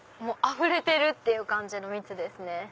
あふれてるっていう感じの蜜ですね。